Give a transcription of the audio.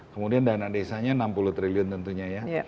kemudian dana desanya enam puluh triliun tentunya ya